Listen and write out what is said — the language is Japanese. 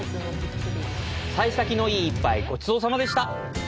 幸先のいい一杯、ごちそうさまでした。